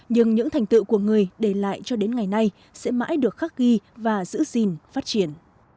nhưng những thành tựu của người để lại cho đến ngày nay sẽ mãi được khắc ghi và giữ gìn phát triển